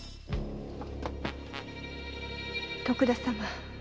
徳田様